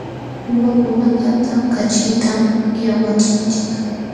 Uywakunakaqta kaćhitam llaqwachinchik.